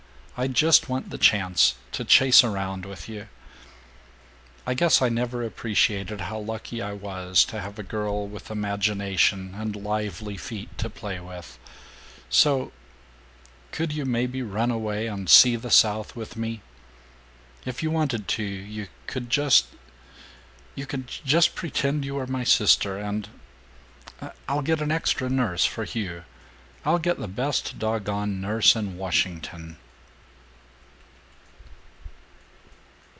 I just want the chance to chase around with you. I guess I never appreciated how lucky I was to have a girl with imagination and lively feet to play with. So Could you maybe run away and see the South with me? If you wanted to, you could just you could just pretend you were my sister and I'll get an extra nurse for Hugh! I'll get the best dog gone nurse in Washington!"